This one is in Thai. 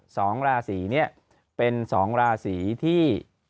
สองราศีเนี่ยเป็นสองราศีที่